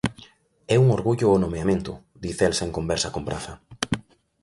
"É un orgullo o nomeamento", di Celsa en conversa con Praza.